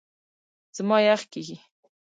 زما یخ کېږي .